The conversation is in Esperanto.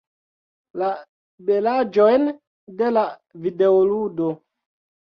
La belaĵojn de la videoludo.